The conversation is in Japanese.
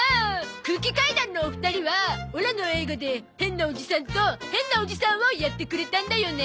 空気階段のお二人はオラの映画で変なおじさんと変なおじさんをやってくれたんだよね。